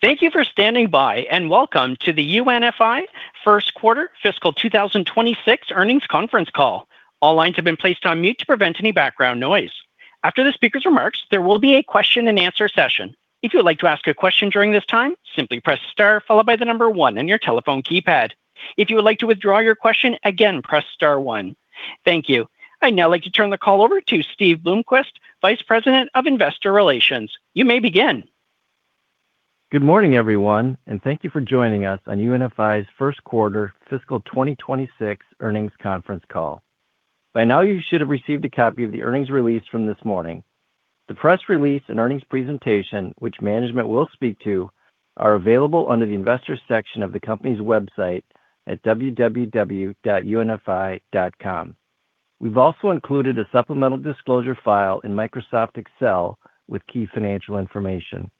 Thank you for standing by, and welcome to the UNFI first quarter fiscal 2026 earnings conference call. All lines have been placed on mute to prevent any background noise. After the speaker's remarks, there will be a question-and-answer session. If you would like to ask a question during this time, simply press star followed by the number one on your telephone keypad. If you would like to withdraw your question, again, press star one. Thank you. I'd now like to turn the call over to Steve Bloomquist, Vice President of Investor Relations. You may begin. Good morning, everyone, and thank you for joining us on UNFI's first quarter fiscal 2026 earnings conference call. By now, you should have received a copy of the earnings release from this morning. The press release and earnings presentation, which management will speak to, are available under the Investor section of the company's website at www.unfi.com. We have also included a supplemental disclosure file in Microsoft Excel with key financial information.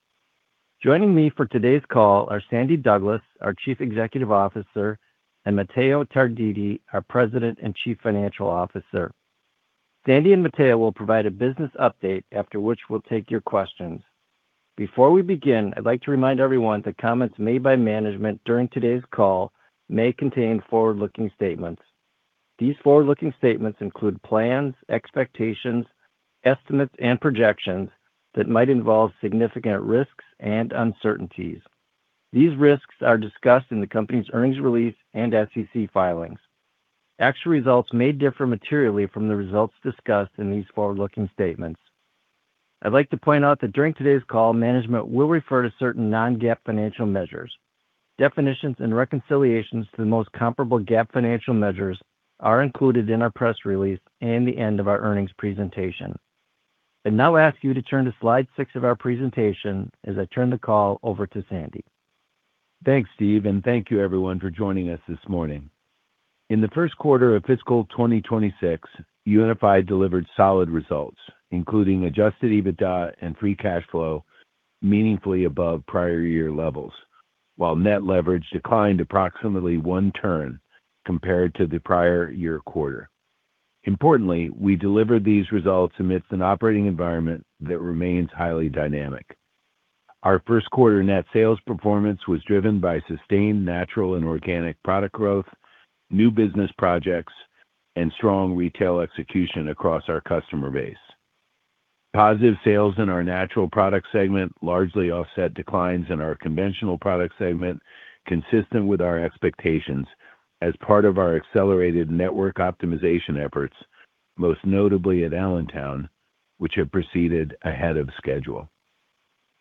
Joining me for today's call are Sandy Douglas, our Chief Executive Officer, and Matteo Tarditi, our President and Chief Financial Officer. Sandy and Matteo will provide a business update, after which we will take your questions. Before we begin, I would like to remind everyone that comments made by management during today's call may contain forward-looking statements. These forward-looking statements include plans, expectations, estimates, and projections that might involve significant risks and uncertainties. These risks are discussed in the company's earnings release and SEC filings. Actual results may differ materially from the results discussed in these forward-looking statements. I'd like to point out that during today's call, management will refer to certain non-GAAP financial measures. Definitions and reconciliations to the most comparable GAAP financial measures are included in our press release and the end of our earnings presentation. I'd now ask you to turn to slide six of our presentation as I turn the call over to Sandy. Thanks, Steve, and thank you, everyone, for joining us this morning. In the first quarter of fiscal 2026, UNFI delivered solid results, including adjusted EBITDA and free cash flow meaningfully above prior year levels, while net leverage declined approximately one turn compared to the prior year quarter. Importantly, we delivered these results amidst an operating environment that remains highly dynamic. Our first quarter net sales performance was driven by sustained natural and organic product growth, new business projects, and strong retail execution across our customer base. Positive sales in our natural product segment largely offset declines in our conventional product segment, consistent with our expectations as part of our accelerated network optimization efforts, most notably at Allentown, which have proceeded ahead of schedule.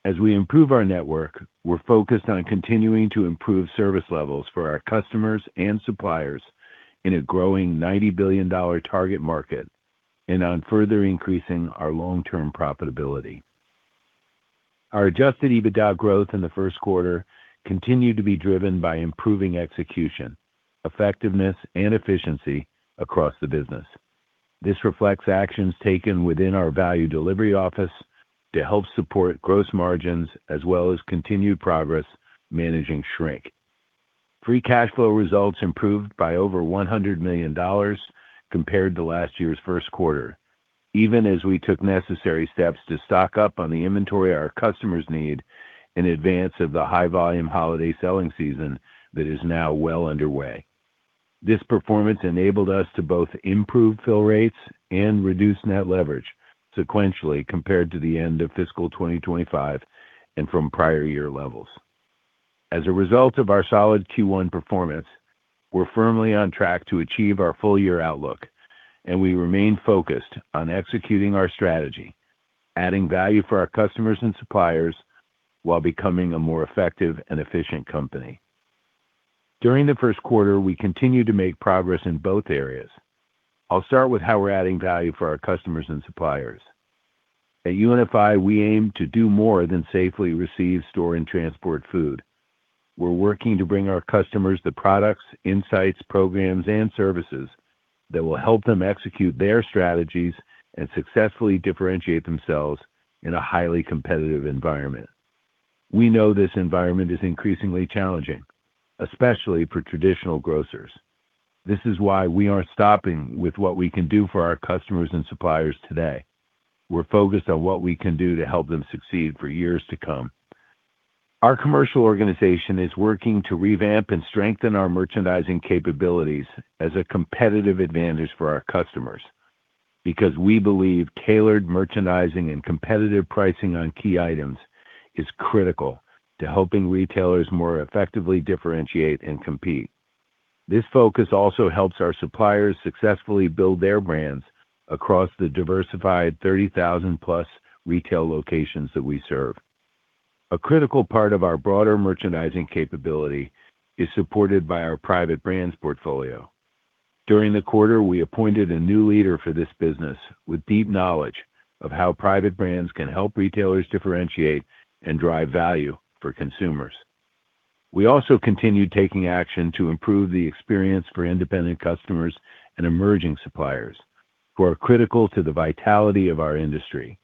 As we improve our network, we're focused on continuing to improve service levels for our customers and suppliers in a growing $90 billion target market and on further increasing our long-term profitability. Our adjusted EBITDA growth in the first quarter continued to be driven by improving execution, effectiveness, and efficiency across the business. This reflects actions taken within our value delivery office to help support gross margins as well as continued progress managing shrink. Free cash flow results improved by over $100 million compared to last year's first quarter, even as we took necessary steps to stock up on the inventory our customers need in advance of the high-volume holiday selling season that is now well underway. This performance enabled us to both improve fill rates and reduce net leverage sequentially compared to the end of fiscal 2025 and from prior year levels. As a result of our solid Q1 performance, we're firmly on track to achieve our full-year outlook, and we remain focused on executing our strategy, adding value for our customers and suppliers while becoming a more effective and efficient company. During the first quarter, we continue to make progress in both areas. I'll start with how we're adding value for our customers and suppliers. At UNFI, we aim to do more than safely receive, store, and transport food. We're working to bring our customers the products, insights, programs, and services that will help them execute their strategies and successfully differentiate themselves in a highly competitive environment. We know this environment is increasingly challenging, especially for traditional grocers. This is why we aren't stopping with what we can do for our customers and suppliers today. We're focused on what we can do to help them succeed for years to come. Our commercial organization is working to revamp and strengthen our merchandising capabilities as a competitive advantage for our customers because we believe tailored merchandising and competitive pricing on key items is critical to helping retailers more effectively differentiate and compete. This focus also helps our suppliers successfully build their brands across the diversified 30,000+ retail locations that we serve. A critical part of our broader merchandising capability is supported by our private brands portfolio. During the quarter, we appointed a new leader for this business with deep knowledge of how private brands can help retailers differentiate and drive value for consumers. We also continue taking action to improve the experience for independent customers and emerging suppliers who are critical to the vitality of our industry.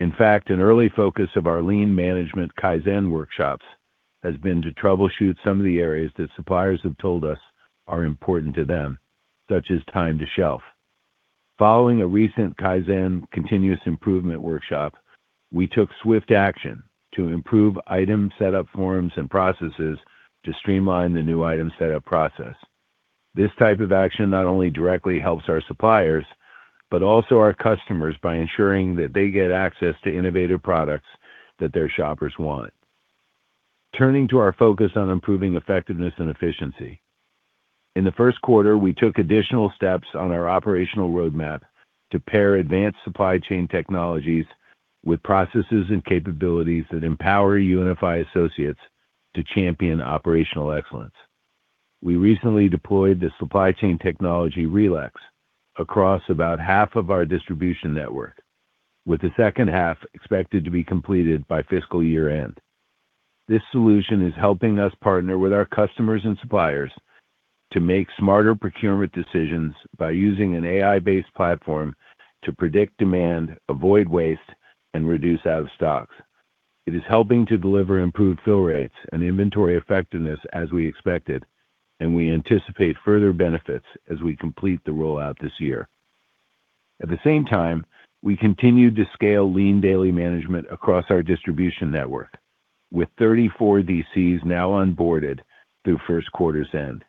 In fact, an early focus of our Lean Management Kaizen workshops has been to troubleshoot some of the areas that suppliers have told us are important to them, such as time to shelf. Following a recent Kaizen continuous improvement workshop, we took swift action to improve item setup forms and processes to streamline the new item setup process. This type of action not only directly helps our suppliers but also our customers by ensuring that they get access to innovative products that their shoppers want. Turning to our focus on improving effectiveness and efficiency, in the first quarter, we took additional steps on our operational roadmap to pair advanced supply chain technologies with processes and capabilities that empower UNFI associates to champion operational excellence. We recently deployed the supply chain technology RELEX across about half of our distribution network, with the second half expected to be completed by fiscal year end. This solution is helping us partner with our customers and suppliers to make smarter procurement decisions by using an AI-based platform to predict demand, avoid waste, and reduce out-of-stocks. It is helping to deliver improved fill rates and inventory effectiveness as we expected, and we anticipate further benefits as we complete the rollout this year. At the same time, we continue to scale Lean Daily Management across our distribution network, with 34 DCs now onboarded through first quarter's end.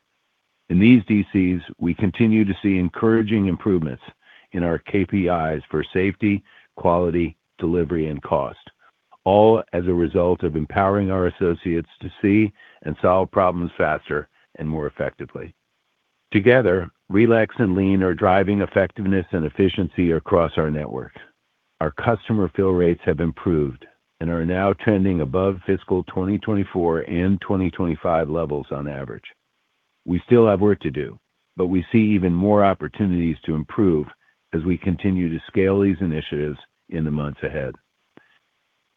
In these DCs, we continue to see encouraging improvements in our KPIs for safety, quality, delivery, and cost, all as a result of empowering our associates to see and solve problems faster and more effectively. Together, RELEX and Lean are driving effectiveness and efficiency across our network. Our customer fill rates have improved and are now trending above fiscal 2024 and 2025 levels on average. We still have work to do, but we see even more opportunities to improve as we continue to scale these initiatives in the months ahead.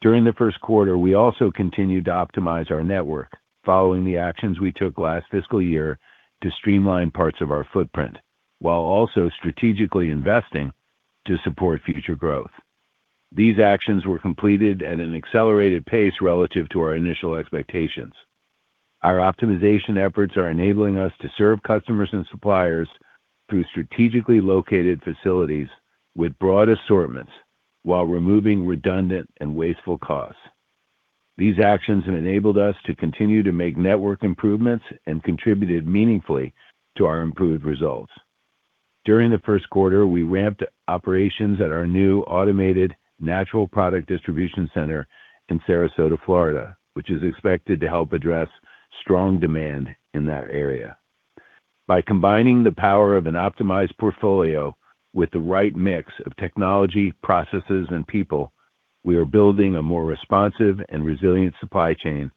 During the first quarter, we also continued to optimize our network following the actions we took last fiscal year to streamline parts of our footprint while also strategically investing to support future growth. These actions were completed at an accelerated pace relative to our initial expectations. Our optimization efforts are enabling us to serve customers and suppliers through strategically located facilities with broad assortments while removing redundant and wasteful costs. These actions have enabled us to continue to make network improvements and contributed meaningfully to our improved results. During the first quarter, we ramped operations at our new automated natural product distribution center in Sarasota, Florida, which is expected to help address strong demand in that area. By combining the power of an optimized portfolio with the right mix of technology, processes, and people, we are building a more responsive and resilient supply chain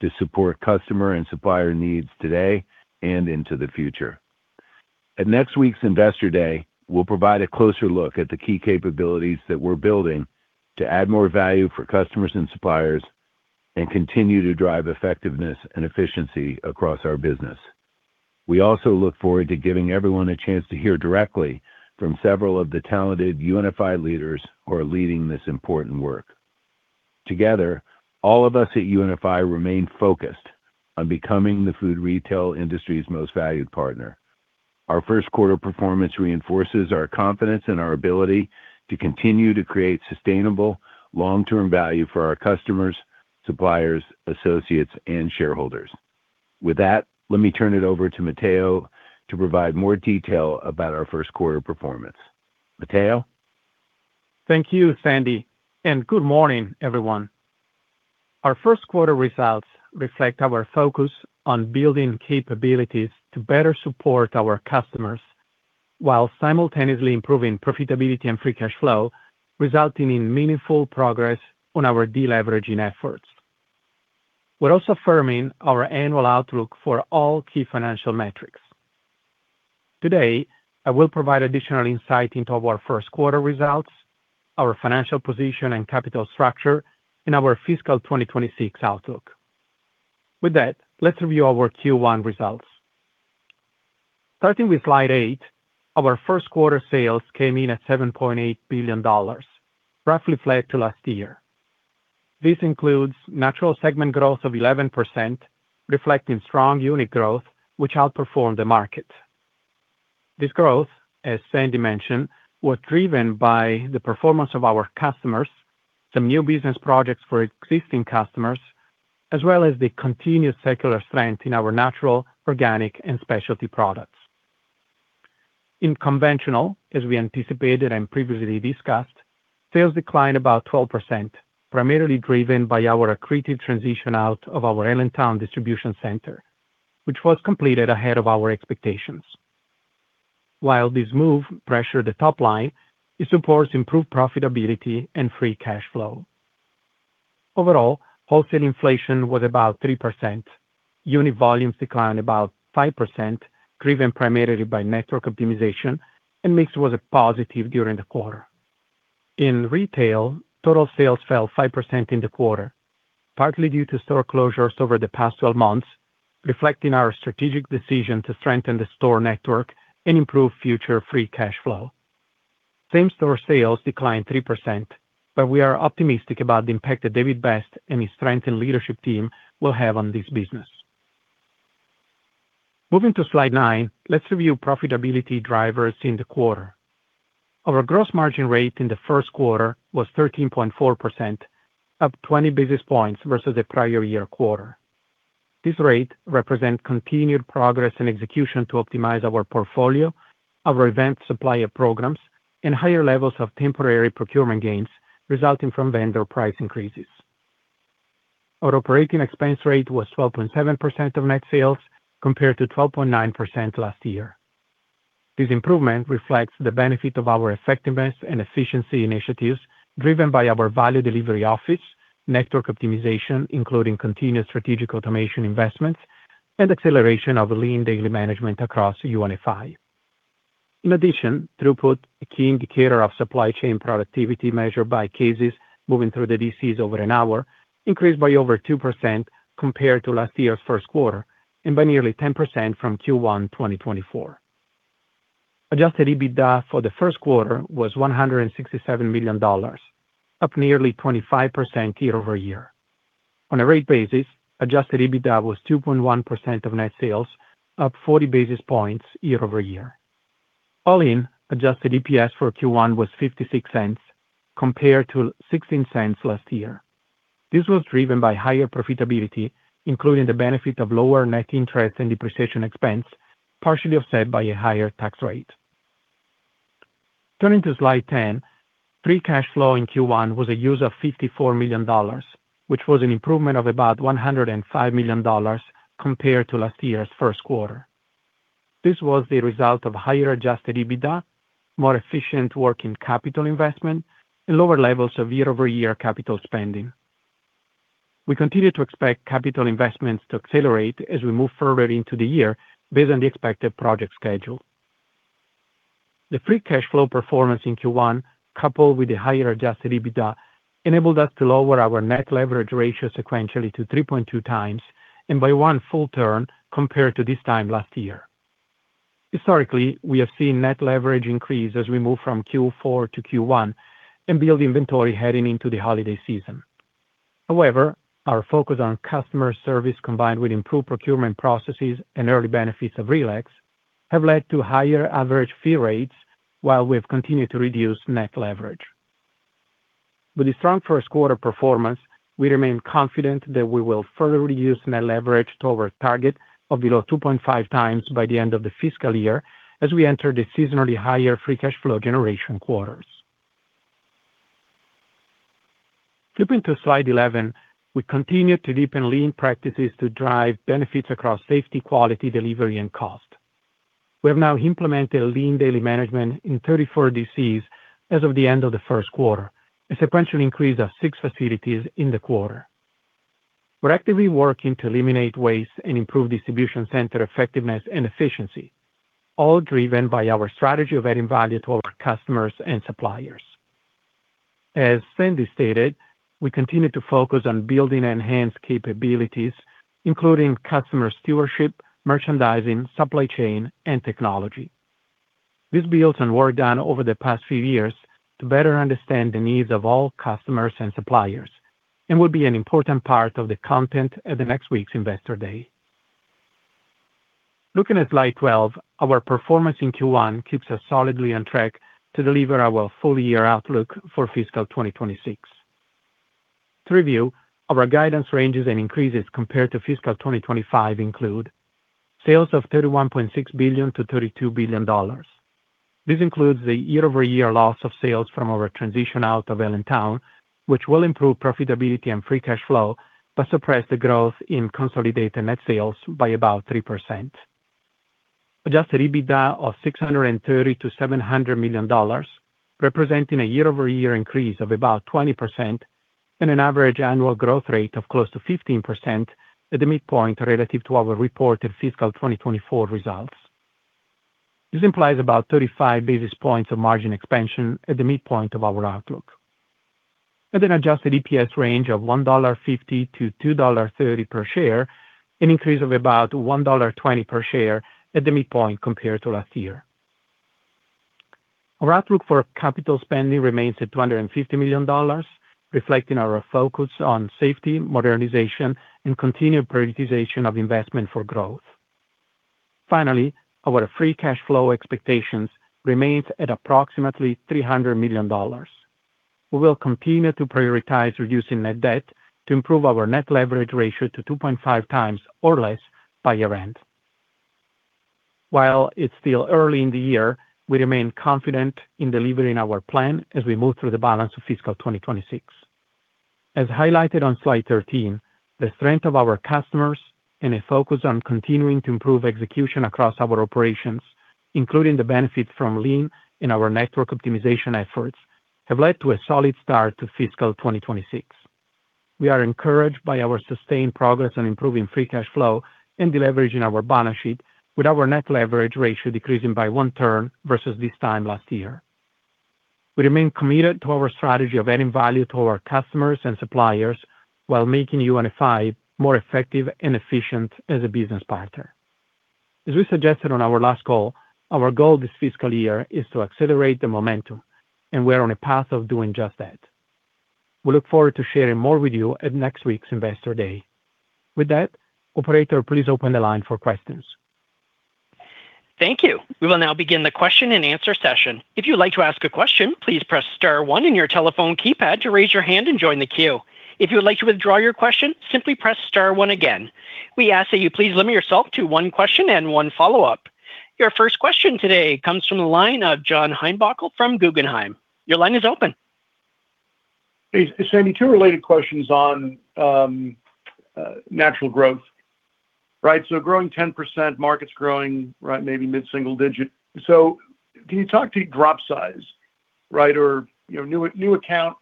to support customer and supplier needs today and into the future. At next week's Investor Day, we'll provide a closer look at the key capabilities that we're building to add more value for customers and suppliers and continue to drive effectiveness and efficiency across our business. We also look forward to giving everyone a chance to hear directly from several of the talented UNFI leaders who are leading this important work. Together, all of us at UNFI remain focused on becoming the food retail industry's most valued partner. Our first quarter performance reinforces our confidence in our ability to continue to create sustainable long-term value for our customers, suppliers, associates, and shareholders. With that, let me turn it over to Matteo to provide more detail about our first quarter performance. Matteo? Thank you, Sandy, and good morning, everyone. Our first quarter results reflect our focus on building capabilities to better support our customers while simultaneously improving profitability and free cash flow, resulting in meaningful progress on our deleveraging efforts. We're also firming our annual outlook for all key financial metrics. Today, I will provide additional insight into our first quarter results, our financial position, and capital structure in our fiscal 2026 outlook. With that, let's review our Q1 results. Starting with slide eight, our first quarter sales came in at $7.8 billion, roughly flat to last year. This includes natural segment growth of 11%, reflecting strong unit growth, which outperformed the market. This growth, as Sandy mentioned, was driven by the performance of our customers, some new business projects for existing customers, as well as the continued secular strength in our natural, organic, and specialty products. In conventional, as we anticipated and previously discussed, sales declined about 12%, primarily driven by our accretive transition out of our Allentown distribution center, which was completed ahead of our expectations. While this move pressured the top line, it supports improved profitability and free cash flow. Overall, wholesale inflation was about 3%. Unit volumes declined about 5%, driven primarily by network optimization, and mix was positive during the quarter. In retail, total sales fell 5% in the quarter, partly due to store closures over the past 12 months, reflecting our strategic decision to strengthen the store network and improve future free cash flow. Same store sales declined 3%, but we are optimistic about the impact that David Best and his strengthened leadership team will have on this business. Moving to slide nine, let's review profitability drivers in the quarter. Our gross margin rate in the first quarter was 13.4%, up 20 basis points versus the prior year quarter. This rate represents continued progress and execution to optimize our portfolio, our event supplier programs, and higher levels of temporary procurement gains resulting from vendor price increases. Our operating expense rate was 12.7% of net sales compared to 12.9% last year. This improvement reflects the benefit of our effectiveness and efficiency initiatives driven by our value delivery office, network optimization, including continued strategic automation investments, and acceleration of Lean Daily Management across UNFI. In addition, throughput, a key indicator of supply chain productivity measured by cases moving through the DCs over an hour, increased by over 2% compared to last year's first quarter and by nearly 10% from Q1 2024. Adjusted EBITDA for the first quarter was $167 million, up nearly 25% year-over-year. On a rate basis, adjusted EBITDA was 2.1% of net sales, up 40 basis points year-over-year. All in, adjusted EPS for Q1 was $0.56 compared to $0.16 last year. This was driven by higher profitability, including the benefit of lower net interest and depreciation expense, partially offset by a higher tax rate. Turning to slide 10, free cash flow in Q1 was a use of $54 million, which was an improvement of about $105 million compared to last year's first quarter. This was the result of higher adjusted EBITDA, more efficient working capital investment, and lower levels of year-over-year capital spending. We continue to expect capital investments to accelerate as we move further into the year based on the expected project schedule. The free cash flow performance in Q1, coupled with the higher adjusted EBITDA, enabled us to lower our net leverage ratio sequentially to 3.2 times and by one full turn compared to this time last year. Historically, we have seen net leverage increase as we move from Q4 to Q1 and build inventory heading into the holiday season. However, our focus on customer service combined with improved procurement processes and early benefits of RELEX have led to higher average fee rates, while we have continued to reduce net leverage. With the strong first quarter performance, we remain confident that we will further reduce net leverage to our target of below 2.5 times by the end of the fiscal year as we enter the seasonally higher free cash flow generation quarters. Flipping to slide 11, we continue to deepen Lean practices to drive benefits across safety, quality, delivery, and cost. We have now implemented Lean Daily Management in 34 DCs as of the end of the first quarter, a sequential increase of six facilities in the quarter. We're actively working to eliminate waste and improve distribution center effectiveness and efficiency, all driven by our strategy of adding value to our customers and suppliers. As Sandy stated, we continue to focus on building enhanced capabilities, including customer stewardship, merchandising, supply chain, and technology. This builds on work done over the past few years to better understand the needs of all customers and suppliers and will be an important part of the content at next week's Investor Day. Looking at slide 12, our performance in Q1 keeps us solidly on track to deliver our full year outlook for fiscal 2026. To review, our guidance ranges and increases compared to fiscal 2025 include sales of $31.6 billion-$32 billion. This includes the year-over-year loss of sales from our transition out of Allentown, which will improve profitability and free cash flow but suppress the growth in consolidated net sales by about 3%. Adjusted EBITDA of $630 million-$700 million, representing a year-over-year increase of about 20% and an average annual growth rate of close to 15% at the midpoint relative to our reported fiscal 2024 results. This implies about 35 basis points of margin expansion at the midpoint of our outlook. Adjusted EPS range of $1.50-$2.30 per share, an increase of about $1.20 per share at the midpoint compared to last year. Our outlook for capital spending remains at $250 million, reflecting our focus on safety, modernization, and continued prioritization of investment for growth. Finally, our free cash flow expectations remain at approximately $300 million. We will continue to prioritize reducing net debt to improve our net leverage ratio to 2.5 times or less by year-end. While it's still early in the year, we remain confident in delivering our plan as we move through the balance of fiscal 2026. As highlighted on slide 13, the strength of our customers and a focus on continuing to improve execution across our operations, including the benefits from Lean in our network optimization efforts, have led to a solid start to fiscal 2026. We are encouraged by our sustained progress on improving free cash flow and deleveraging our balance sheet, with our net leverage ratio decreasing by one turn versus this time last year. We remain committed to our strategy of adding value to our customers and suppliers while making UNFI more effective and efficient as a business partner. As we suggested on our last call, our goal this fiscal year is to accelerate the momentum, and we are on a path of doing just that. We look forward to sharing more with you at next week's Investor Day. With that, Operator, please open the line for questions. Thank you. We will now begin the question and answer session. If you'd like to ask a question, please press star one on your telephone keypad to raise your hand and join the queue. If you'd like to withdraw your question, simply press star one again. We ask that you please limit yourself to one question and one follow-up. Your first question today comes from the line of John Heinbockel from Guggenheim. Your line is open. Hey, Sandy, two related questions on natural growth. Right? Growing 10%, market's growing, right, maybe mid-single digit. Can you talk to drop size, right, or new account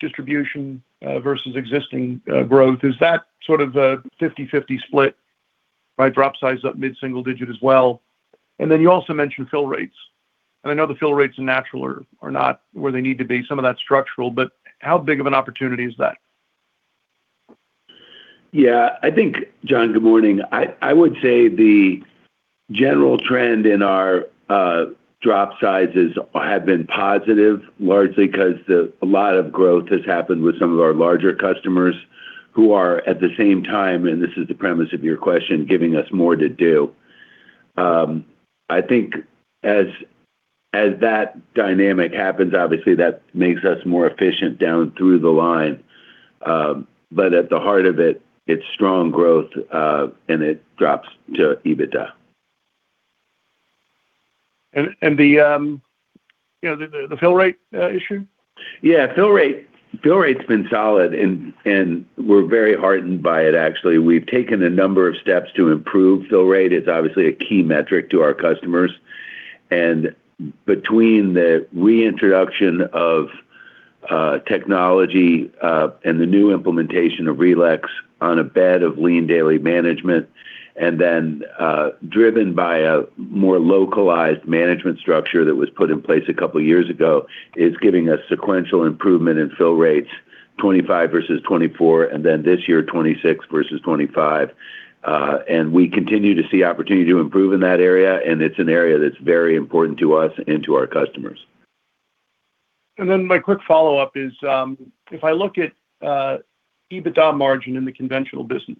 distribution versus existing growth? Is that sort of a 50/50 split, right, drop size up mid-single digit as well? You also mentioned fill rates. I know the fill rates in natural are not where they need to be, some of that's structural, but how big of an opportunity is that? Yeah. I think, John, good morning. I would say the general trend in our drop sizes has been positive, largely because a lot of growth has happened with some of our larger customers who are at the same time, and this is the premise of your question, giving us more to do. I think as that dynamic happens, obviously, that makes us more efficient down through the line. At the heart of it, it's strong growth, and it drops to EBITDA. The fill rate issue? Yeah. Fill rate's been solid, and we're very heartened by it, actually. We've taken a number of steps to improve fill rate. It's obviously a key metric to our customers. Between the reintroduction of technology and the new implementation of RELEX on a bed of Lean Daily Management, and then driven by a more localized management structure that was put in place a couple of years ago, it's giving us sequential improvement in fill rates, 25% versus 24%, and then this year, 26% versus 25%. We continue to see opportunity to improve in that area, and it's an area that's very important to us and to our customers. My quick follow-up is, if I look at EBITDA margin in the conventional business,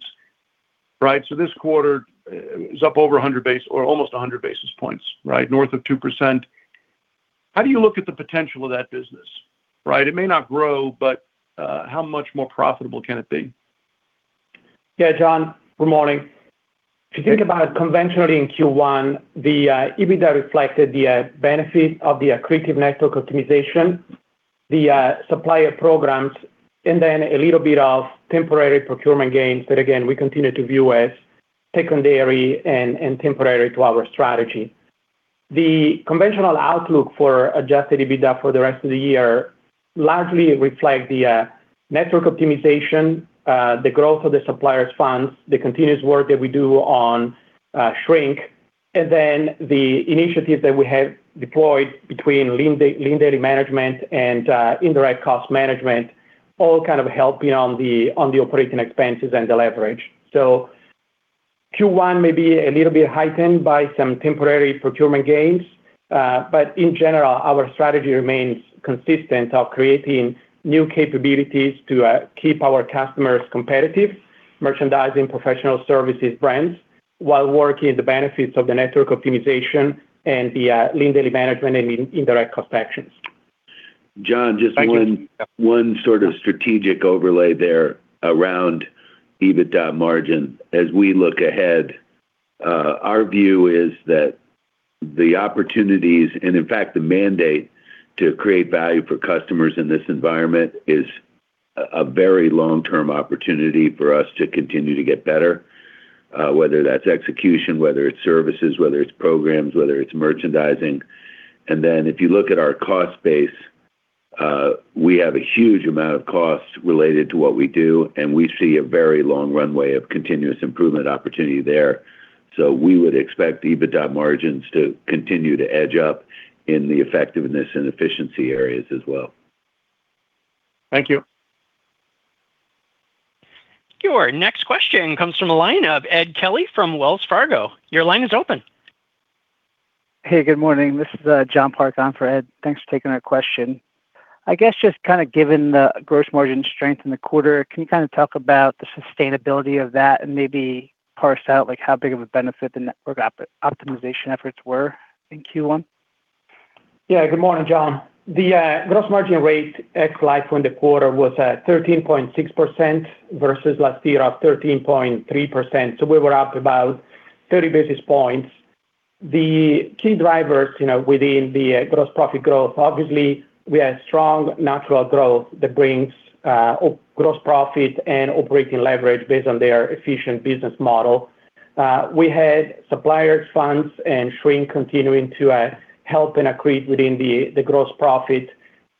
right, this quarter is up over 100 basis points, right, north of 2%. How do you look at the potential of that business, right? It may not grow, but how much more profitable can it be? Yeah, John, good morning. If you think about conventionally in Q1, the EBITDA reflected the benefit of the accretive network optimization, the supplier programs, and then a little bit of temporary procurement gains that, again, we continue to view as secondary and temporary to our strategy. The conventional outlook for adjusted EBITDA for the rest of the year largely reflects the network optimization, the growth of the supplier's funds, the continuous work that we do on shrink, and then the initiatives that we have deployed between Lean Daily Management and indirect cost management, all kind of helping on the operating expenses and the leverage. Q1 may be a little bit heightened by some temporary procurement gains, but in general, our strategy remains consistent of creating new capabilities to keep our customers competitive, merchandising, professional services brands, while working in the benefits of the network optimization and the Lean Daily Management and indirect cost actions. John, just one sort of strategic overlay there around EBITDA margin as we look ahead. Our view is that the opportunities, and in fact, the mandate to create value for customers in this environment, is a very long-term opportunity for us to continue to get better, whether that's execution, whether it's services, whether it's programs, whether it's merchandising. If you look at our cost base, we have a huge amount of cost related to what we do, and we see a very long runway of continuous improvement opportunity there. We would expect EBITDA margins to continue to edge up in the effectiveness and efficiency areas as well. Thank you. Your next question comes from a line of Ed Kelly from Wells Fargo. Your line is open. Hey, good morning. This is John Parke on for Ed. Thanks for taking our question. I guess just kind of given the gross margin strength in the quarter, can you kind of talk about the sustainability of that and maybe parse out how big of a benefit the network optimization efforts were in Q1? Yeah. Good morning, John. The gross margin rate at the last point of quarter was 13.6% versus last year of 13.3%. We were up about 30 basis points. The key drivers within the gross profit growth, obviously, we had strong natural growth that brings gross profit and operating leverage based on their efficient business model. We had supplier's funds and shrink continuing to help and accrete within the gross profit.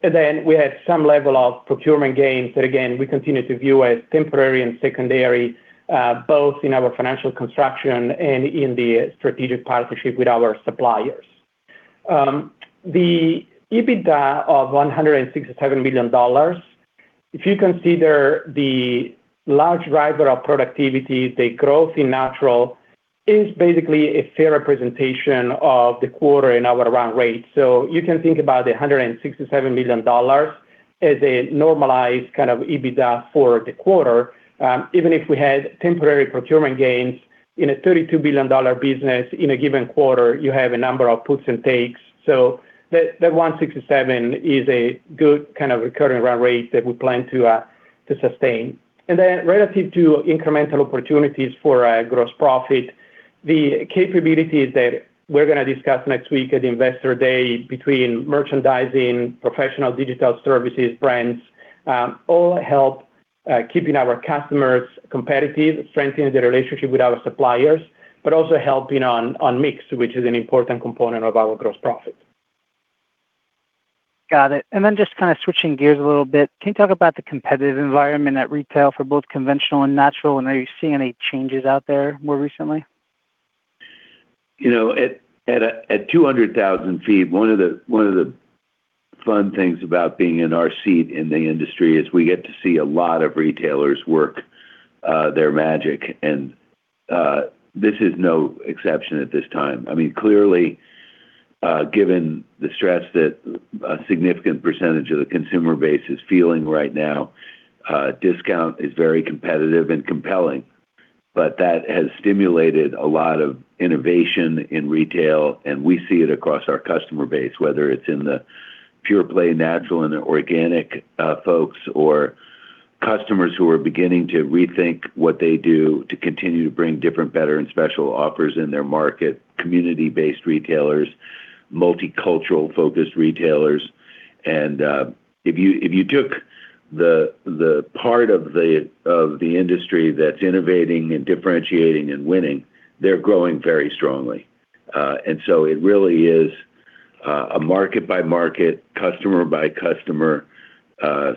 We had some level of procurement gains that, again, we continue to view as temporary and secondary, both in our financial construction and in the strategic partnership with our suppliers. The EBITDA of $167 million, if you consider the large driver of productivity, the growth in natural, is basically a fair representation of the quarter in our run rate. You can think about the $167 million as a normalized kind of EBITDA for the quarter. Even if we had temporary procurement gains in a $32 billion business in a given quarter, you have a number of puts and takes. That $167 million is a good kind of recurring run rate that we plan to sustain. Relative to incremental opportunities for gross profit, the capabilities that we're going to discuss next week at Investor Day between merchandising, professional digital services, brands, all help keeping our customers competitive, strengthening the relationship with our suppliers, but also helping on mix, which is an important component of our gross profit. Got it. Just kind of switching gears a little bit, can you talk about the competitive environment at retail for both conventional and natural? Are you seeing any changes out there more recently? At 200,000 ft, one of the fun things about being in our seat in the industry is we get to see a lot of retailers work their magic. This is no exception at this time. I mean, clearly, given the stress that a significant percentage of the consumer base is feeling right now, discount is very competitive and compelling. That has stimulated a lot of innovation in retail, and we see it across our customer base, whether it's in the pure play, natural, and the organic folks or customers who are beginning to rethink what they do to continue to bring different, better, and special offers in their market, community-based retailers, multicultural-focused retailers. If you took the part of the industry that's innovating and differentiating and winning, they're growing very strongly. It really is a market-by-market, customer-by-customer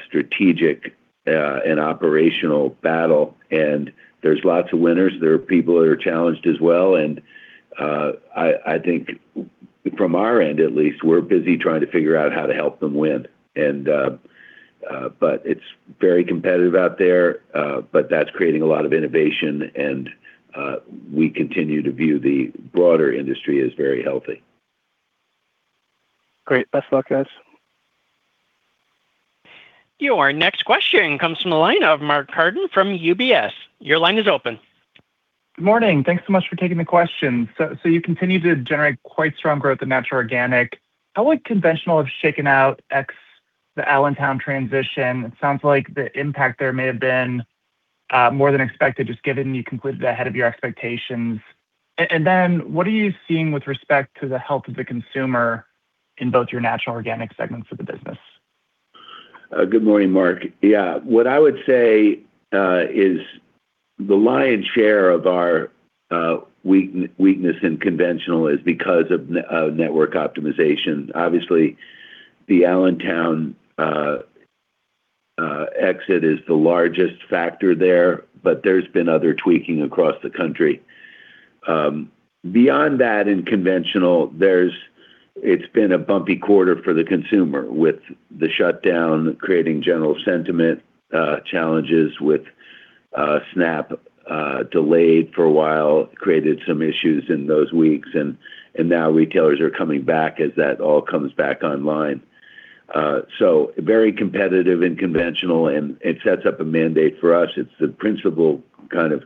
strategic and operational battle. There are lots of winners. There are people that are challenged as well. I think from our end, at least, we're busy trying to figure out how to help them win. It is very competitive out there, but that's creating a lot of innovation. We continue to view the broader industry as very healthy. Great. Best of luck, guys. Your next question comes from the line of Mark Carden from UBS. Your line is open. Good morning. Thanks so much for taking the question. You continue to generate quite strong growth in natural organic. How would conventional have shaken out the Allentown transition? It sounds like the impact there may have been more than expected, just given you concluded ahead of your expectations. What are you seeing with respect to the health of the consumer in both your natural organic segments of the business? Good morning, Mark. Yeah. What I would say is the lion's share of our weakness in conventional is because of network optimization. Obviously, the Allentown exit is the largest factor there, but there's been other tweaking across the country. Beyond that, in conventional, it's been a bumpy quarter for the consumer with the shutdown creating general sentiment challenges with SNAP delayed for a while, created some issues in those weeks. Now retailers are coming back as that all comes back online. Very competitive in conventional, and it sets up a mandate for us. It's the principal kind of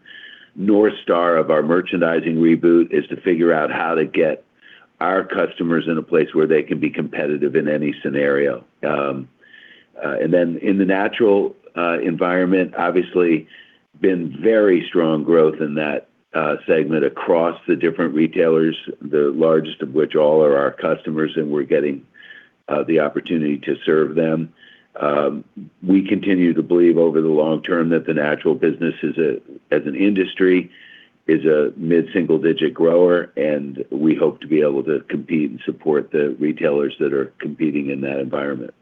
North Star of our merchandising reboot is to figure out how to get our customers in a place where they can be competitive in any scenario. In the natural environment, obviously, been very strong growth in that segment across the different retailers, the largest of which all are our customers, and we're getting the opportunity to serve them. We continue to believe over the long term that the natural business, as an industry, is a mid-single digit grower, and we hope to be able to compete and support the retailers that are competing in that environment.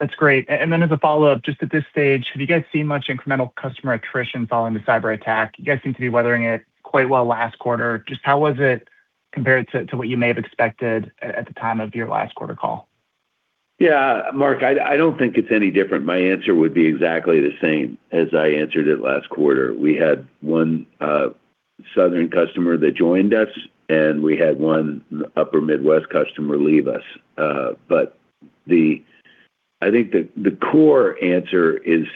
That's great. As a follow-up, just at this stage, have you guys seen much incremental customer attrition following the cyber attack? You guys seem to be weathering it quite well last quarter. Just how was it compared to what you may have expected at the time of your last quarter call? Yeah. Mark, I do not think it is any different. My answer would be exactly the same as I answered it last quarter. We had one southern customer that joined us, and we had one upper Midwest customer leave us. I think the core answer is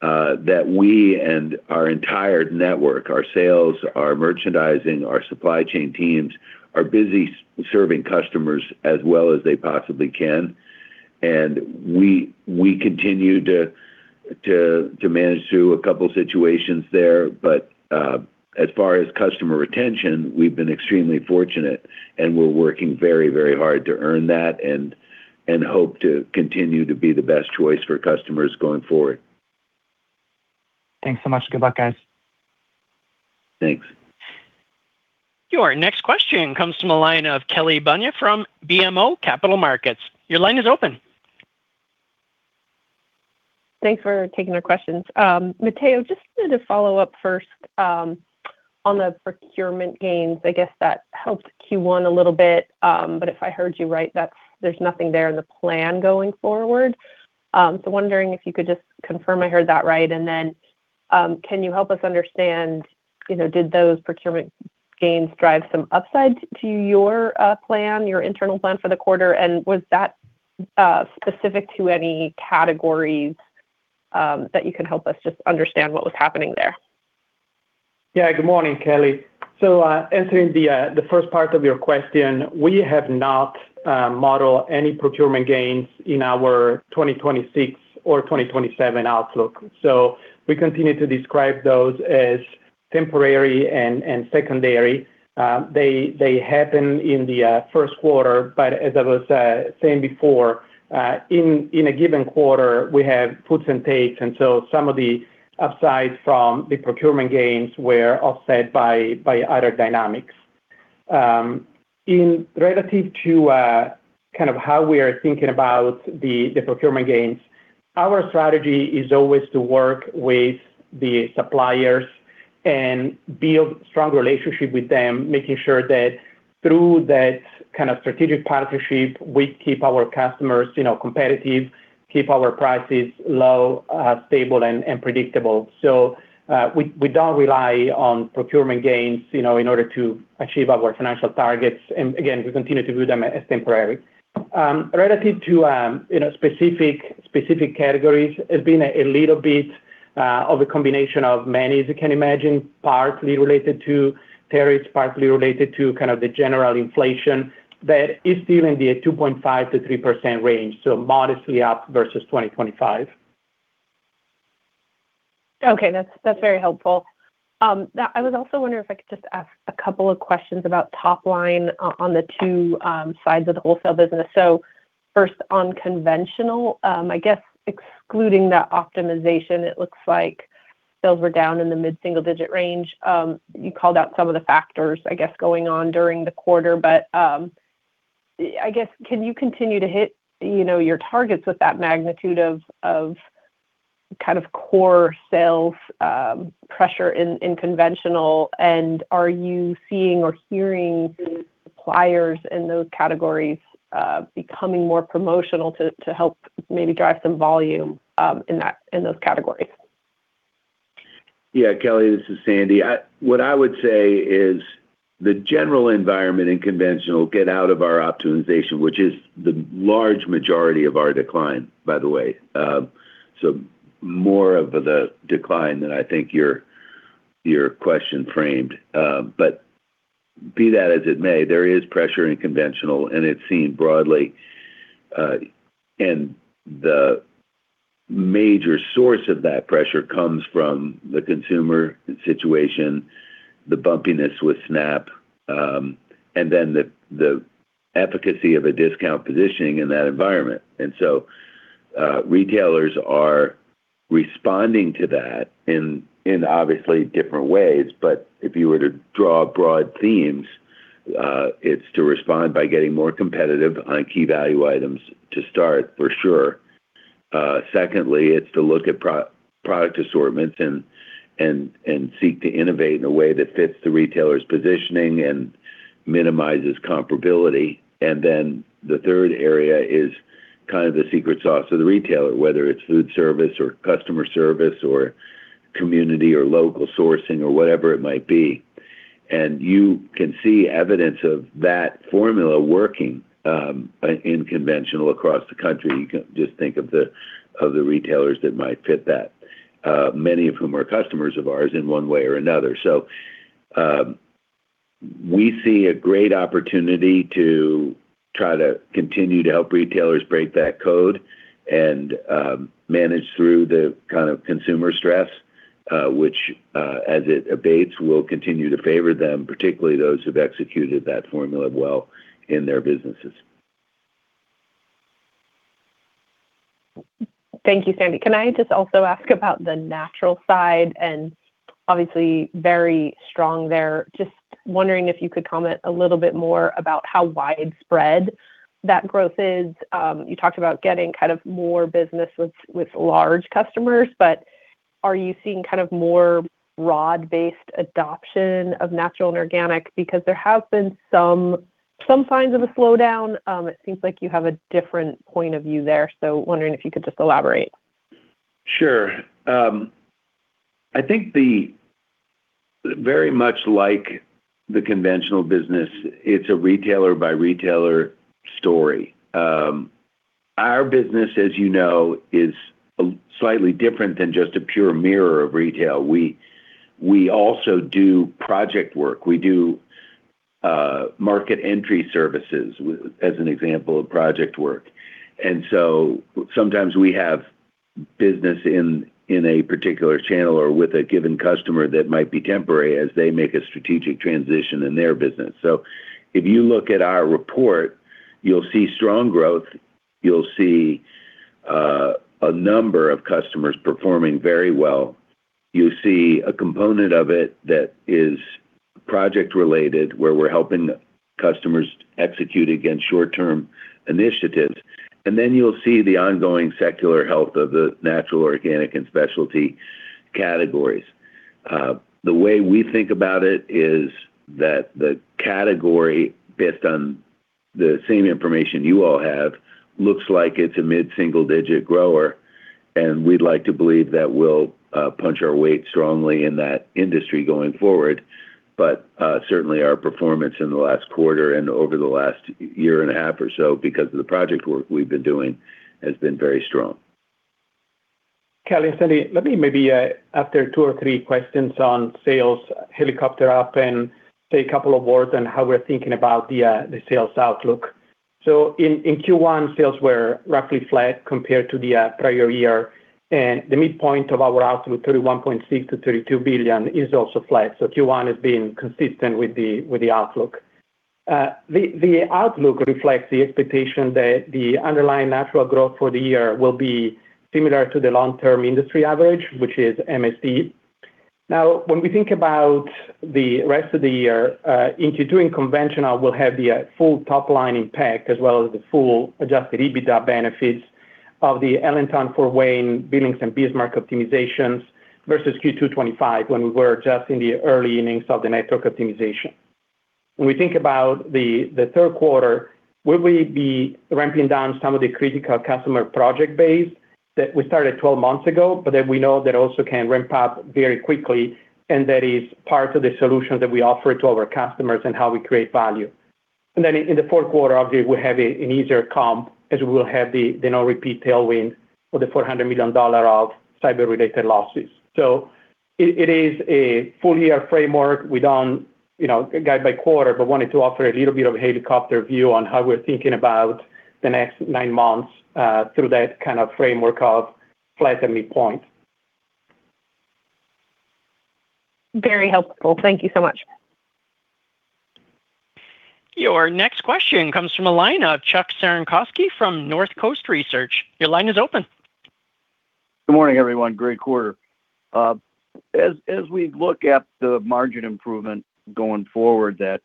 that we and our entire network, our sales, our merchandising, our supply chain teams are busy serving customers as well as they possibly can. We continue to manage through a couple of situations there. As far as customer retention, we have been extremely fortunate, and we are working very, very hard to earn that and hope to continue to be the best choice for customers going forward. Thanks so much. Good luck, guys. Thanks. Your next question comes from the line of Kelly Bania from BMO Capital Markets. Your line is open. Thanks for taking our questions. Matteo, just to follow up first on the procurement gains, I guess that helped Q1 a little bit. If I heard you right, there's nothing there in the plan going forward. I am wondering if you could just confirm I heard that right. Can you help us understand, did those procurement gains drive some upside to your internal plan for the quarter? Was that specific to any categories that you can help us just understand what was happening there? Yeah. Good morning, Kelly. Answering the first part of your question, we have not modeled any procurement gains in our 2026 or 2027 outlook. We continue to describe those as temporary and secondary. They happen in the first quarter. As I was saying before, in a given quarter, we have puts and takes. Some of the upside from the procurement gains were offset by other dynamics. Relative to kind of how we are thinking about the procurement gains, our strategy is always to work with the suppliers and build strong relationships with them, making sure that through that kind of strategic partnership, we keep our customers competitive, keep our prices low, stable, and predictable. We do not rely on procurement gains in order to achieve our financial targets. Again, we continue to view them as temporary. Relative to specific categories, it's been a little bit of a combination of many. As you can imagine, partly related to tariffs, partly related to kind of the general inflation, that is still in the 2.5%-3% range, so modestly up versus 2025. Okay. That's very helpful. I was also wondering if I could just ask a couple of questions about top line on the two sides of the wholesale business. First, on conventional, I guess excluding that optimization, it looks like sales were down in the mid-single digit range. You called out some of the factors, I guess, going on during the quarter. I guess, can you continue to hit your targets with that magnitude of kind of core sales pressure in conventional? Are you seeing or hearing suppliers in those categories becoming more promotional to help maybe drive some volume in those categories? Yeah. Kelly, this is Sandy. What I would say is the general environment in conventional, get out of our optimization, which is the large majority of our decline, by the way. More of the decline than I think your question framed. Be that as it may, there is pressure in conventional, and it is seen broadly. The major source of that pressure comes from the consumer situation, the bumpiness with SNAP, and then the efficacy of a discount positioning in that environment. Retailers are responding to that in obviously different ways. If you were to draw broad themes, it is to respond by getting more competitive on key value items to start, for sure. Secondly, it is to look at product assortments and seek to innovate in a way that fits the retailer's positioning and minimizes comparability. The third area is kind of the secret sauce of the retailer, whether it's food service or customer service or community or local sourcing or whatever it might be. You can see evidence of that formula working in conventional across the country. You can just think of the retailers that might fit that, many of whom are customers of ours in one way or another. We see a great opportunity to try to continue to help retailers break that code and manage through the kind of consumer stress, which, as it abates, will continue to favor them, particularly those who've executed that formula well in their businesses. Thank you, Sandy. Can I just also ask about the natural side? Obviously, very strong there. Just wondering if you could comment a little bit more about how widespread that growth is. You talked about getting kind of more business with large customers. Are you seeing kind of more broad-based adoption of natural and organic? There have been some signs of a slowdown. It seems like you have a different point of view there. Wondering if you could just elaborate. Sure. I think very much like the conventional business, it's a retailer-by-retailer story. Our business, as you know, is slightly different than just a pure mirror of retail. We also do project work. We do market entry services as an example of project work. Sometimes we have business in a particular channel or with a given customer that might be temporary as they make a strategic transition in their business. If you look at our report, you'll see strong growth. You'll see a number of customers performing very well. You see a component of it that is project-related, where we're helping customers execute against short-term initiatives. You will see the ongoing secular health of the natural, organic, and specialty categories. The way we think about it is that the category, based on the same information you all have, looks like it's a mid-single digit grower. We'd like to believe that we'll punch our weight strongly in that industry going forward. Certainly, our performance in the last quarter and over the last year and a half or so because of the project work we've been doing has been very strong. Kelly and Sandy, let me maybe after two or three questions on sales, helicopter up and say a couple of words on how we're thinking about the sales outlook. In Q1, sales were roughly flat compared to the prior year. The midpoint of our outlook, $31.6 billion-$32 billion, is also flat. Q1 has been consistent with the outlook. The outlook reflects the expectation that the underlying natural growth for the year will be similar to the long-term industry average, which is MSD. Now, when we think about the rest of the year, in Q2, in conventional, we'll have the full top line impact as well as the full adjusted EBITDA benefits of the Allentown, Fort Wayne, Billings, and Bismarck optimizations versus Q2 2025 when we were adjusting the early innings of the network optimization. When we think about the third quarter, we will be ramping down some of the critical customer project base that we started 12 months ago, but we know that also can ramp up very quickly and that is part of the solution that we offer to our customers and how we create value. In the fourth quarter, obviously, we have an easier comp as we will have the no-repeat tailwind for the $400 million of cyber-related losses. It is a full-year framework. We do not guide by quarter, but wanted to offer a little bit of a helicopter view on how we are thinking about the next nine months through that kind of framework of flat and midpoint. Very helpful. Thank you so much. Your next question comes from a line of Chuck Cerankosky from Northcoast Research. Your line is open. Good morning, everyone. Great quarter. As we look at the margin improvement going forward that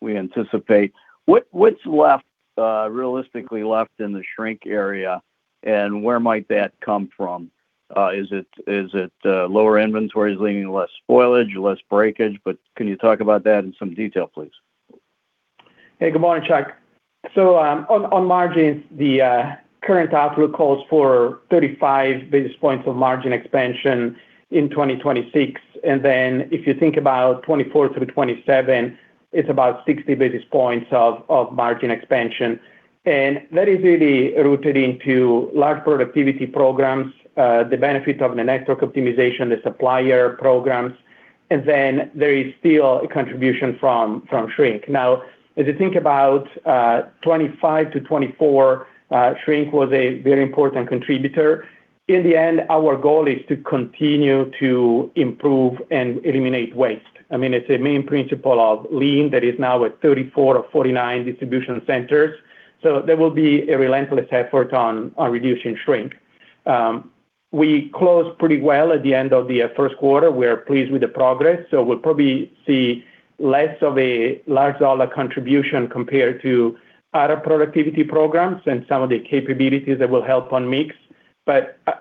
we anticipate, what's realistically left in the shrink area and where might that come from? Is it lower inventories leaving less spoilage, less breakage? Can you talk about that in some detail, please? Hey, good morning, Chuck. On margins, the current outlook calls for 35 basis points of margin expansion in 2026. If you think about 2024 through 2027, it is about 60 basis points of margin expansion. That is really rooted into large productivity programs, the benefit of the network optimization, the supplier programs. There is still a contribution from shrink. As you think about 2025 to 2024, shrink was a very important contributor. In the end, our goal is to continue to improve and eliminate waste. I mean, it is a main principle of Lean that is now at 34 or 49 distribution centers. There will be a relentless effort on reducing shrink. We closed pretty well at the end of the first quarter. We are pleased with the progress. We will probably see less of a large dollar contribution compared to other productivity programs and some of the capabilities that will help on mix.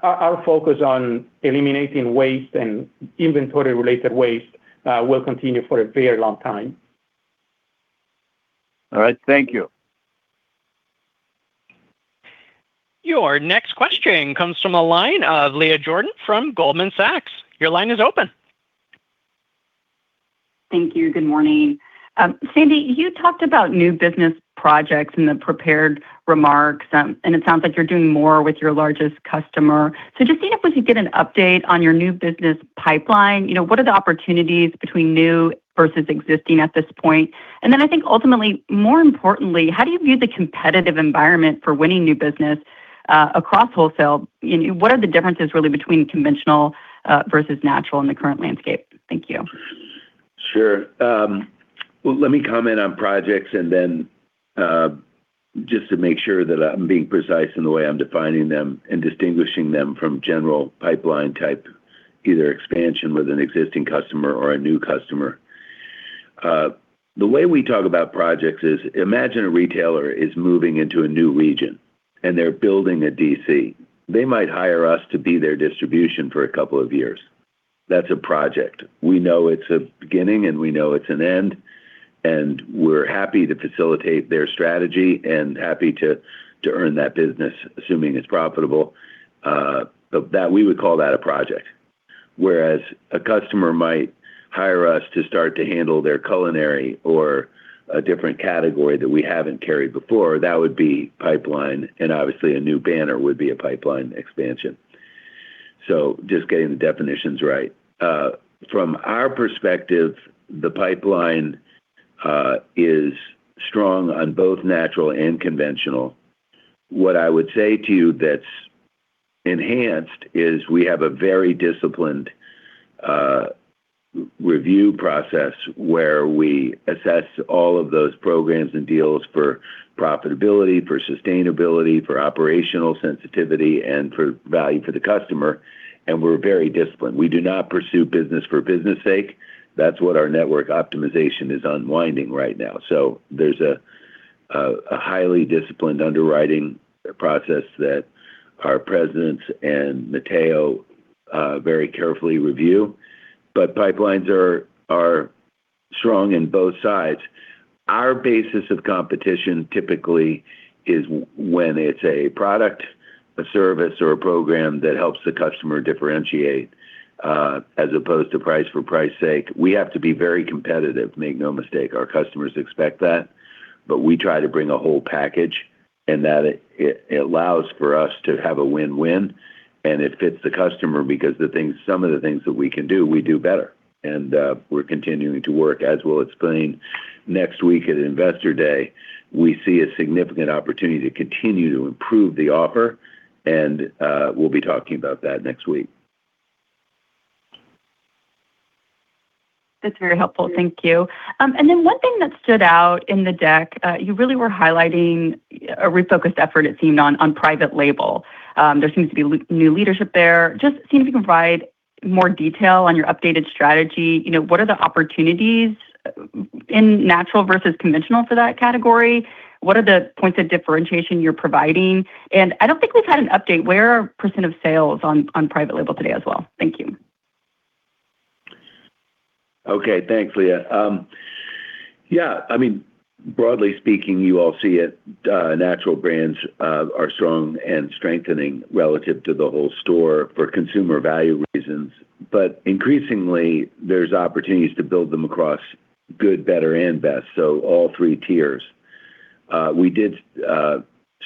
Our focus on eliminating waste and inventory-related waste will continue for a very long time. All right. Thank you. Your next question comes from a line of Leah Jordan from Goldman Sachs. Your line is open. Thank you. Good morning. Sandy, you talked about new business projects in the prepared remarks. It sounds like you're doing more with your largest customer. Just seeing if we could get an update on your new business pipeline. What are the opportunities between new versus existing at this point? I think, ultimately, more importantly, how do you view the competitive environment for winning new business across wholesale? What are the differences really between conventional versus natural in the current landscape? Thank you. Sure. Let me comment on projects and then just to make sure that I'm being precise in the way I'm defining them and distinguishing them from general pipeline-type either expansion with an existing customer or a new customer. The way we talk about projects is imagine a retailer is moving into a new region and they're building a DC. They might hire us to be their distribution for a couple of years. That's a project. We know it's a beginning and we know it's an end. We're happy to facilitate their strategy and happy to earn that business, assuming it's profitable. We would call that a project. Whereas a customer might hire us to start to handle their culinary or a different category that we haven't carried before, that would be pipeline. Obviously, a new banner would be a pipeline expansion. Just getting the definitions right. From our perspective, the pipeline is strong on both natural and conventional. What I would say to you that's enhanced is we have a very disciplined review process where we assess all of those programs and deals for profitability, for sustainability, for operational sensitivity, and for value for the customer. We are very disciplined. We do not pursue business for business' sake. That is what our network optimization is unwinding right now. There is a highly disciplined underwriting process that our presidents and Matteo very carefully review. Pipelines are strong on both sides. Our basis of competition typically is when it is a product, a service, or a program that helps the customer differentiate as opposed to price for price's sake. We have to be very competitive, make no mistake. Our customers expect that. We try to bring a whole package and that allows for us to have a win-win. It fits the customer because some of the things that we can do, we do better. We are continuing to work, as we will explain next week at Investor Day. We see a significant opportunity to continue to improve the offer. We will be talking about that next week. That's very helpful. Thank you. One thing that stood out in the deck, you really were highlighting a refocused effort, it seemed, on private label. There seems to be new leadership there. Just seeing if you can provide more detail on your updated strategy. What are the opportunities in natural versus conventional for that category? What are the points of differentiation you're providing? I don't think we've had an update. Where are percent of sales on private label today as well? Thank you. Okay. Thanks, Leah. Yeah. I mean, broadly speaking, you all see it. Natural brands are strong and strengthening relative to the whole store for consumer value reasons. Increasingly, there's opportunities to build them across good, better, and best. All three tiers. We did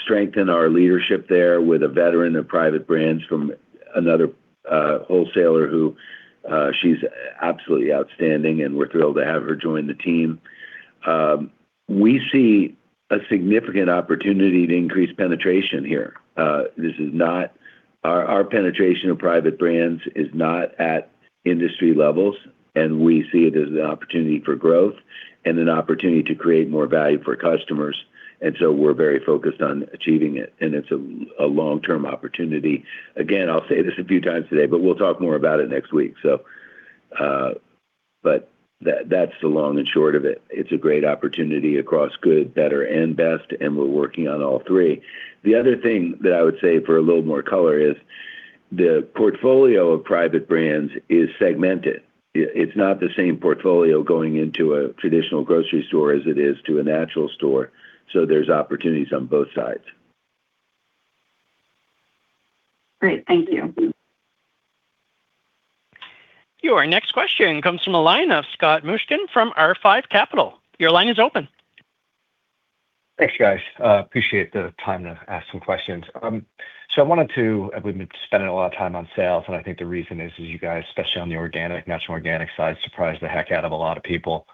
strengthen our leadership there with a veteran of private brands from another wholesaler who, she's absolutely outstanding, and we're thrilled to have her join the team. We see a significant opportunity to increase penetration here. Our penetration of private brands is not at industry levels, and we see it as an opportunity for growth and an opportunity to create more value for customers. We're very focused on achieving it. It's a long-term opportunity. Again, I'll say this a few times today, but we'll talk more about it next week. That's the long and short of it. It's a great opportunity across good, better, and best, and we're working on all three. The other thing that I would say for a little more color is the portfolio of private brands is segmented. It's not the same portfolio going into a traditional grocery store as it is to a natural store. There's opportunities on both sides. Great. Thank you. Your next question comes from a line of Scott Mushkin from R5 Capital. Your line is open. Thanks, guys. Appreciate the time to ask some questions. I wanted to, we've been spending a lot of time on sales, and I think the reason is you guys, especially on the organic, natural organic side, surprised the heck out of a lot of people.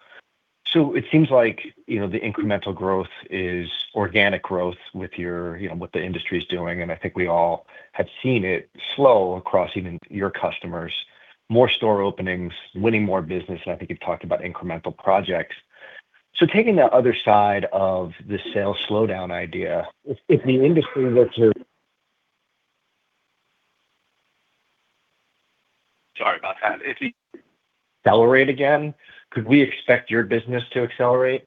It seems like the incremental growth is organic growth with what the industry is doing. I think we all have seen it slow across even your customers, more store openings, winning more business. I think you've talked about incremental projects. Taking the other side of the sales slowdown idea, if the industry were to. Sorry about that. If the. Accelerate again, could we expect your business to accelerate?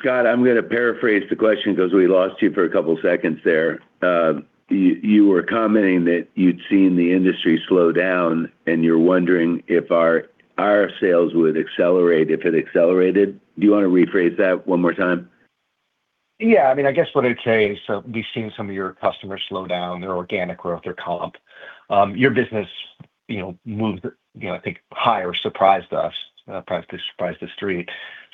Scott, I'm going to paraphrase the question because we lost you for a couple of seconds there. You were commenting that you'd seen the industry slow down, and you're wondering if our sales would accelerate if it accelerated. Do you want to rephrase that one more time? Yeah. I mean, I guess what I'd say is we've seen some of your customers slow down their organic growth, their comp. Your business moved, I think, high or surprised us, probably surprised the street.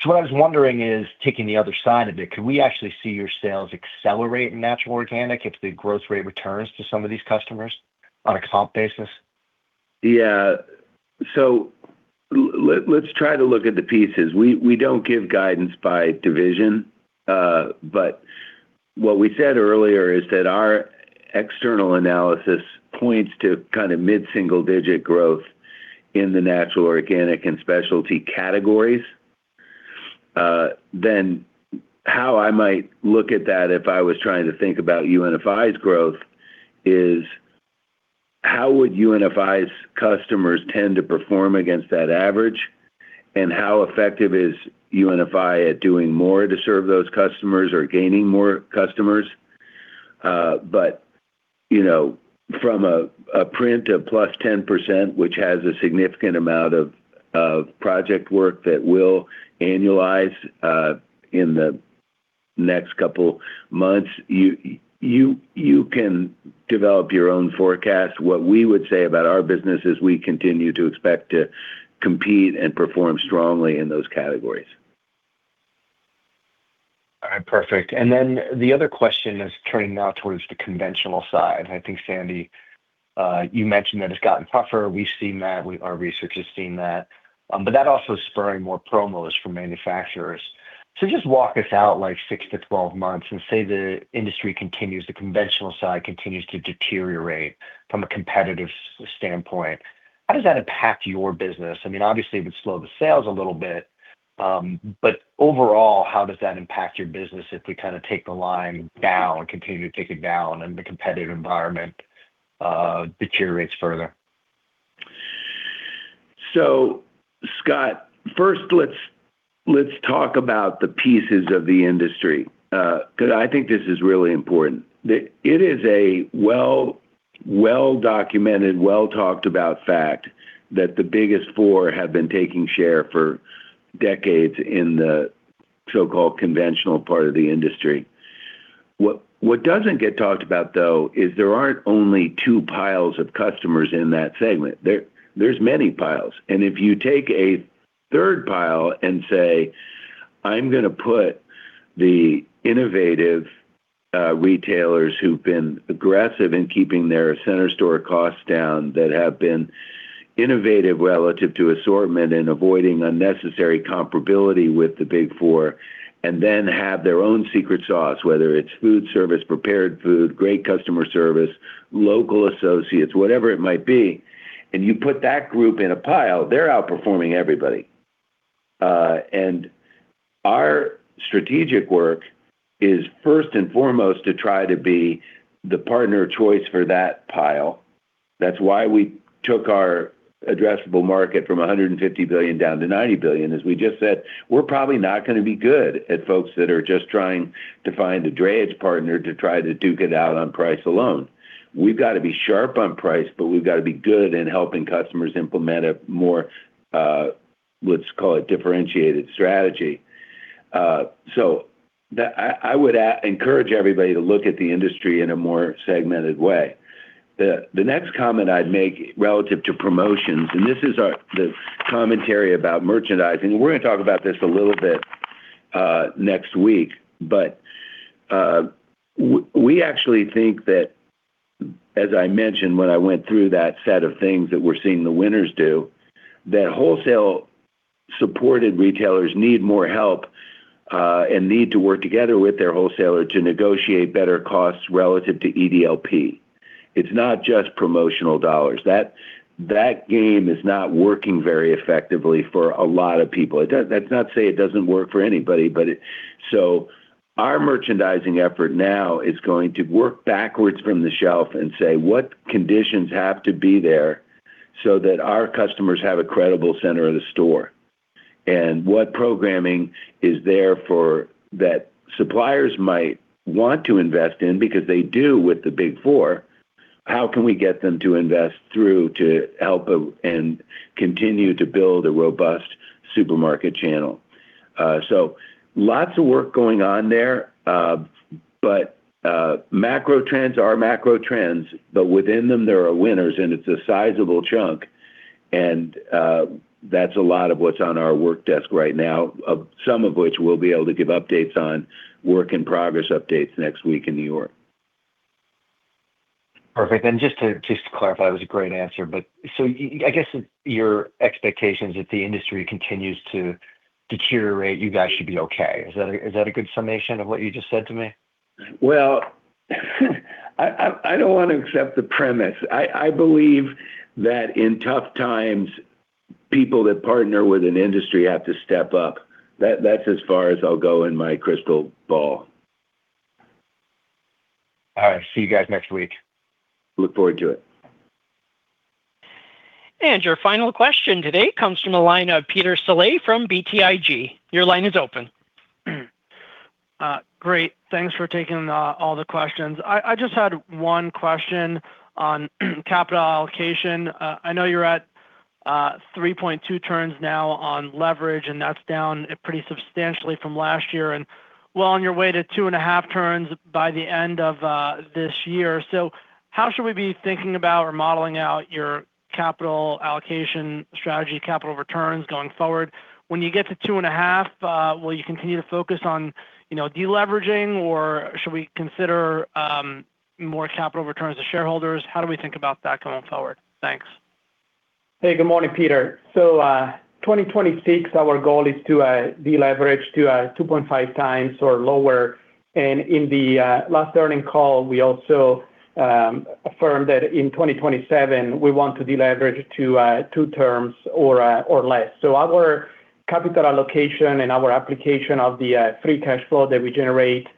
What I was wondering is taking the other side of it, could we actually see your sales accelerate in natural organic if the growth rate returns to some of these customers on a comp basis? Yeah. Let's try to look at the pieces. We don't give guidance by division. What we said earlier is that our external analysis points to kind of mid-single digit growth in the natural organic and specialty categories. How I might look at that if I was trying to think about UNFI's growth is how would UNFI's customers tend to perform against that average? How effective is UNFI at doing more to serve those customers or gaining more customers? From a print of +10%, which has a significant amount of project work that will annualize in the next couple of months, you can develop your own forecast. What we would say about our business is we continue to expect to compete and perform strongly in those categories. All right. Perfect. The other question is turning now towards the conventional side. I think, Sandy, you mentioned that it's gotten tougher. We've seen that. Our research has seen that. That also is spurring more promos from manufacturers. Just walk us out like 6 to 12 months and say the industry continues, the conventional side continues to deteriorate from a competitive standpoint. How does that impact your business? I mean, obviously, it would slow the sales a little bit. Overall, how does that impact your business if we kind of take the line down, continue to take it down, and the competitive environment deteriorates further? Scott, first, let's talk about the pieces of the industry because I think this is really important. It is a well-documented, well-talked-about fact that the biggest four have been taking share for decades in the so-called conventional part of the industry. What doesn't get talked about, though, is there aren't only two piles of customers in that segment. There's many piles. If you take a third pile and say, "I'm going to put the innovative retailers who've been aggressive in keeping their center store costs down, that have been innovative relative to assortment and avoiding unnecessary comparability with the big four, and then have their own secret sauce, whether it's food service, prepared food, great customer service, local associates, whatever it might be," and you put that group in a pile, they're outperforming everybody. Our strategic work is first and foremost to try to be the partner choice for that pile. That is why we took our addressable market from $150 billion down to $90 billion, as we just said. We are probably not going to be good at folks that are just trying to find a drayage partner to try to duke it out on price alone. We have to be sharp on price, but we have to be good in helping customers implement a more, let's call it, differentiated strategy. I would encourage everybody to look at the industry in a more segmented way. The next comment I would make relative to promotions, and this is the commentary about merchandising. We are going to talk about this a little bit next week. We actually think that, as I mentioned when I went through that set of things that we're seeing the winners do, wholesale-supported retailers need more help and need to work together with their wholesaler to negotiate better costs relative to EDLP. It's not just promotional dollars. That game is not working very effectively for a lot of people. That's not to say it doesn't work for anybody. Our merchandising effort now is going to work backwards from the shelf and say, "What conditions have to be there so that our customers have a credible center of the store? And what programming is there that suppliers might want to invest in because they do with the big four? How can we get them to invest through to help and continue to build a robust supermarket channel?" Lots of work going on there. Our macro trends, but within them, there are winners, and it's a sizable chunk. That's a lot of what's on our work desk right now, some of which we'll be able to give updates on, work in progress updates next week in New York. Perfect. Just to clarify, it was a great answer. I guess your expectations if the industry continues to deteriorate, you guys should be okay. Is that a good summation of what you just said to me? I do not want to accept the premise. I believe that in tough times, people that partner with an industry have to step up. That is as far as I will go in my crystal ball. All right. See you guys next week. Look forward to it. Your final question today comes from a line of Peter Saleh from BTIG. Your line is open. Great. Thanks for taking all the questions. I just had one question on capital allocation. I know you're at 3.2 turns now on leverage, and that's down pretty substantially from last year. And well on your way to two and a half turns by the end of this year. How should we be thinking about or modeling out your capital allocation strategy, capital returns going forward? When you get to two and a half, will you continue to focus on deleveraging, or should we consider more capital returns to shareholders? How do we think about that going forward? Thanks. Hey, good morning, Peter. 2026, our goal is to deleverage to 2.5 times or lower. In the last earnings call, we also affirmed that in 2027, we want to deleverage to two times or less. Our capital allocation and our application of the free cash flow that we generate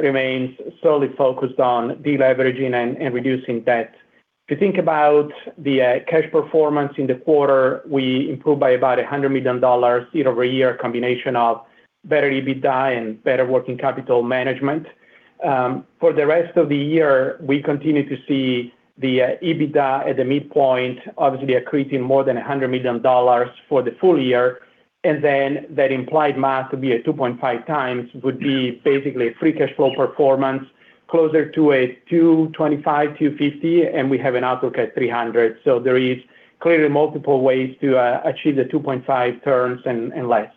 remains solely focused on deleveraging and reducing debt. If you think about the cash performance in the quarter, we improved by about $100 million year-over-year, combination of better EBITDA and better working capital management. For the rest of the year, we continue to see the EBITDA at the midpoint, obviously accreting more than $100 million for the full year. That implied math would be a 2.5 times, would be basically a free cash flow performance closer to $225 million-$250 million, and we have an outlook at $300 million. There is clearly multiple ways to achieve the 2.5 turns and less.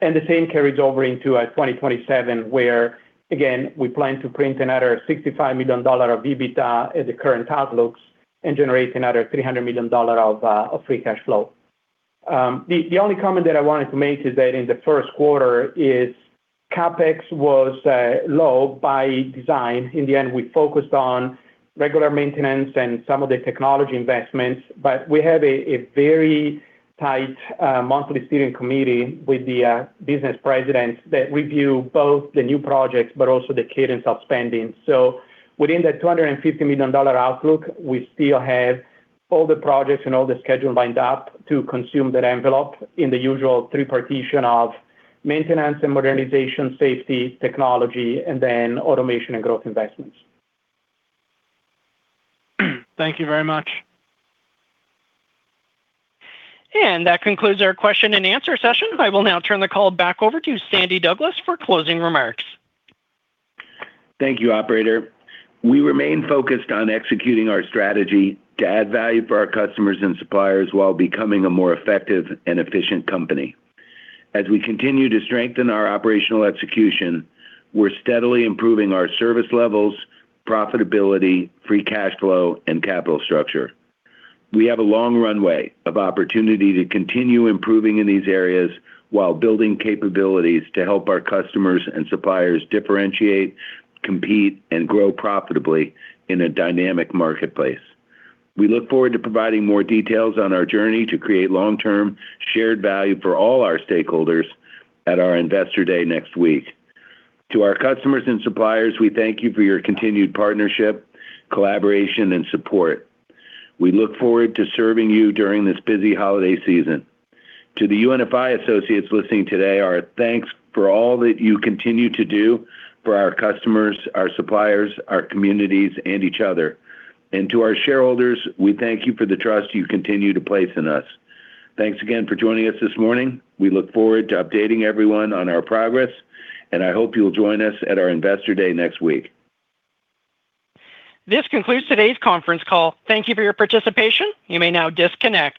The same carries over into 2027, where, again, we plan to print another $65 million of EBITDA at the current outlooks and generate another $300 million of free cash flow. The only comment that I wanted to make is that in the first quarter, CapEx was low by design. In the end, we focused on regular maintenance and some of the technology investments. We have a very tight monthly steering committee with the business presidents that review both the new projects but also the cadence of spending. Within that $250 million outlook, we still have all the projects and all the schedule lined up to consume that envelope in the usual three-partition of maintenance and modernization, safety, technology, and then automation and growth investments. Thank you very much. That concludes our question and answer session. I will now turn the call back over to Sandy Douglas for closing remarks. Thank you, Operator. We remain focused on executing our strategy to add value for our customers and suppliers while becoming a more effective and efficient company. As we continue to strengthen our operational execution, we're steadily improving our service levels, profitability, free cash flow, and capital structure. We have a long runway of opportunity to continue improving in these areas while building capabilities to help our customers and suppliers differentiate, compete, and grow profitably in a dynamic marketplace. We look forward to providing more details on our journey to create long-term shared value for all our stakeholders at our investor day next week. To our customers and suppliers, we thank you for your continued partnership, collaboration, and support. We look forward to serving you during this busy holiday season. To the UNFI associates listening today, our thanks for all that you continue to do for our customers, our suppliers, our communities, and each other. To our shareholders, we thank you for the trust you continue to place in us. Thanks again for joining us this morning. We look forward to updating everyone on our progress, and I hope you'll join us at our investor day next week. This concludes today's conference call. Thank you for your participation. You may now disconnect.